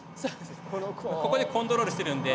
ここでコントロールしてるんで。